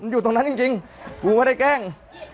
อยู่ตรงนั้นจริงกูไม่ได้แกล้ง